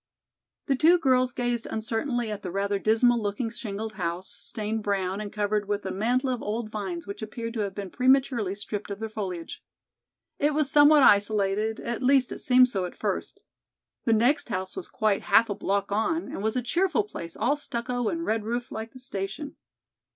The two girls gazed uncertainly at the rather dismal looking shingled house, stained brown and covered with a mantle of old vines which appeared to have been prematurely stripped of their foliage. It was somewhat isolated, at least it seemed so at first. The next house was quite half a block on and was a cheerful place, all stucco and red roof like the station.